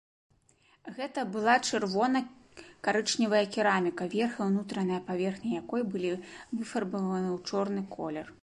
Гэта была чырвона-карычневая кераміка, верх і ўнутраная паверхня якой былі выфарбаваны ў чорны колер.